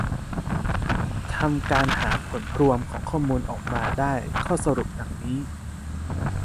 ทำการหาผลรวมของข้อมูลออกมาได้ข้อสรุปดังนี้